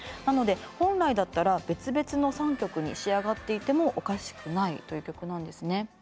なので本来だったら別々の３曲に仕上がっていてもおかしくないという曲なんですね。